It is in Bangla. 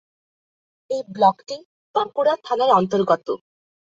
এই ব্লকটি বাঁকুড়া থানার অন্তর্গত।